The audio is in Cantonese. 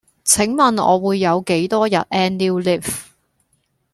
請問我會有幾多日 Annual Leave?